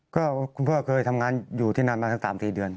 ก็คุณพ่อเคยทำงานอยู่ที่นั่นมาสัก๓๔เดือน